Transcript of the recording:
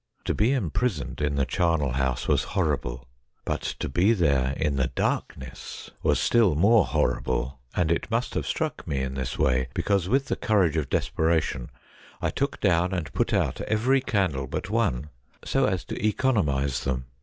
To be imprisoned in the charnel house was horrible, but to be there in the darkness was still o2 196 STORIES WEIRD AND WONDERFUL more horrible, and it must have struck me in this way, be cause with the courage of desperation, I took down and put out every candle but one, so as to economise them.